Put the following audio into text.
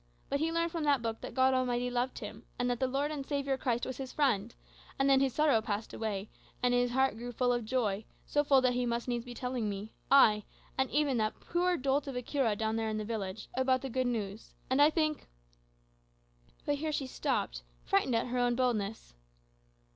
But he learned from that book that God Almighty loved him, and that the Lord and Saviour Christ was his friend; and then his sorrow passed away, and his heart grew full of joy, so full that he must needs be telling me ay, and even that poor dolt of a cura down there in the village about the good news. And I think" but here she stopped, frightened at her own boldness.